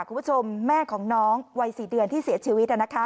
คุณผู้ชมแม่ของน้องวัย๔เดือนที่เสียชีวิต